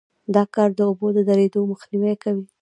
دا کار د اوبو د درېدو مخنیوی کوي